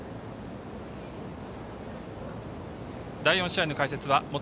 第４試合の解説は元